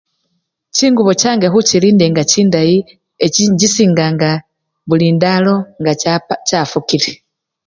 Chindubo change khuchilinda nga chindayi, echi! inchisinganga buli ndalo nga chapu! chachafukile.